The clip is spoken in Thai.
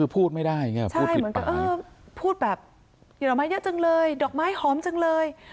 พูดแบบเย็นละไม้เยอะจังเลยดอกไม้หอมจังเลย